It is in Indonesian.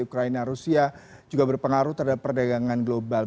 ukraina rusia juga berpengaruh terhadap perdagangan global